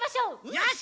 よし！